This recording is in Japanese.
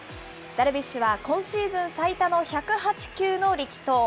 ダルビッシュは、今シーズン最多の１０８球の力投。